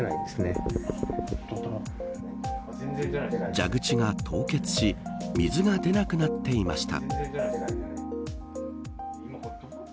蛇口が凍結し水が出なくなっていました。